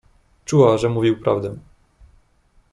"Czuła, że mówił prawdę."